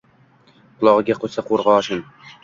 Qulogʻiga quysa qoʻrgʻoshin